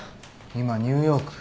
今ニューヨーク。